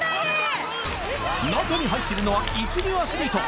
中に入ってるのは一流アスリート